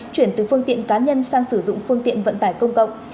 chuyển từ phương tiện cá nhân sang sử dụng phương tiện vận tải công cộng